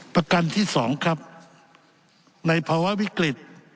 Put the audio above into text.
ประกันที่๒ครับในภาวะวิกฤต